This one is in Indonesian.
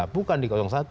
bukan di satu